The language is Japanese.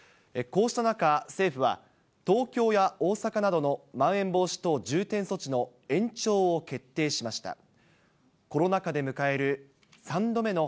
こうした中、政府は東京や大阪などのまん延防止等重点措置の延長を決定しました。